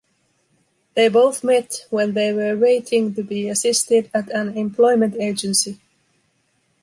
They both met when they were waiting to be assisted at an employment agency.